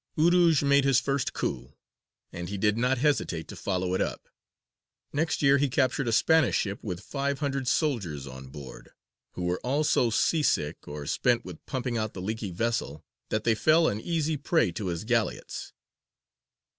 Urūj had made his first coup, and he did not hesitate to follow it up. Next year he captured a Spanish ship with five hundred soldiers on board, who were all so sea sick, or spent with pumping out the leaky vessel, that they fell an easy prey to his galleots.